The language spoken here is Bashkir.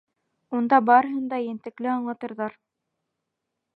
Унда барыһын да ентекле аңлатырҙар.